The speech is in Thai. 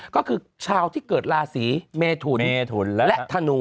ก็คือชาวที่เกิดราศีเมทุนและธนู